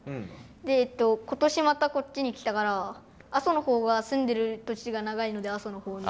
で今年またこっちに来たから阿蘇のほうが住んでる年が長いので阿蘇のほうに。